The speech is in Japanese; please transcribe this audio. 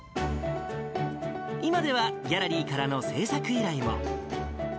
今では、ギャラリーからの制作依頼も。